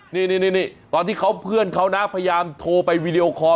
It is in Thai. นี่ตอนที่เขาเพื่อนเขานะพยายามโทรไปวีดีโอคอร์